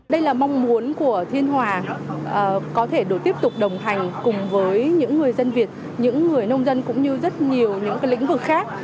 đây là mong muốn của thiên hòa có thể được tiếp tục đồng hành cùng với những người dân việt những người nông dân cũng như rất nhiều những lĩnh vực khác